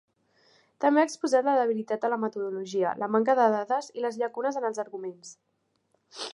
També ha exposat la debilitat de la metodologia, la manca de dades i les llacunes en els arguments.